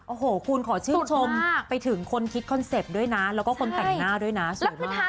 โอ้โหคุณขอชื่นชมไปถึงคนคิดคอนเซ็ปต์ด้วยนะแล้วก็คนแต่งหน้าด้วยนะสวยมาก